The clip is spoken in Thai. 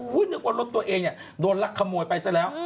นึกว่ารถตัวเองเนี่ยโดนลักขโมยไปซะแล้ว